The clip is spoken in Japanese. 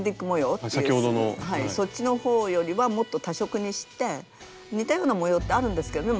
そっちのほうよりはもっと多色にして似たような模様ってあるんですけどね